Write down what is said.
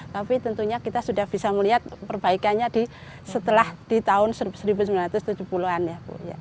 tapi tentunya kita sudah bisa melihat perbaikannya setelah di tahun seribu sembilan ratus tujuh puluh an ya